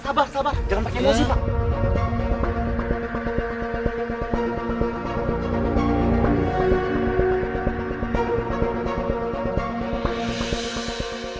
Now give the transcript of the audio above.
sabar sabar jangan pakai nasi pak